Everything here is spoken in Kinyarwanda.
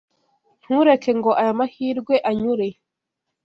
Ntureke ngo aya mahirwe anyure.